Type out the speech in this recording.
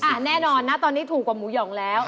แน่นอนนะตอนนี้ถูกกว่าหมูหย่องแล้ว